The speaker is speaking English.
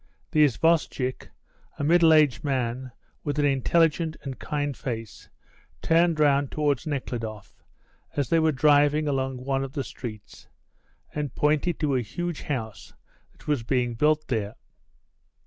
The isvostchik, a middle aged man with an intelligent and kind face, turned round towards Nekhludoff as they were driving along one of the streets and pointed to a huge house that was being built there.